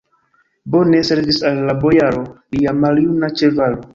Bone servis al la bojaro lia maljuna ĉevalo!